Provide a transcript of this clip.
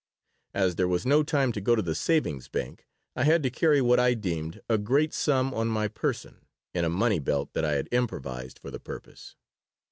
As there was no time to go to the savings bank, I had to carry what I deemed a great sum on my person (in a money belt that I had improvised for the purpose).